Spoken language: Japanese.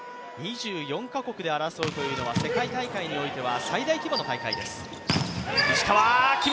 ２４か国で争うというのは、世界大会においては最大規模の大会です。